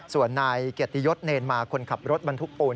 ส่วนนายเกียรติยศเนรมาคนขับรถบรรทุกปูน